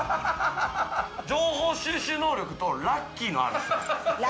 情報収集能力とラッキーのある人や。